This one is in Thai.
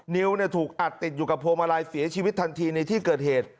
นิ้วถูกอัดติดอยู่กับพวงมาลัยเสียชีวิตทันทีในที่เกิดเหตุ